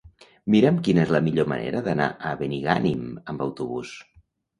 Mira'm quina és la millor manera d'anar a Benigànim amb autobús.